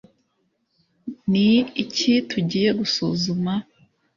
ni iki tugiye gusuzuma